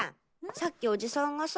さっきおじさんがさ。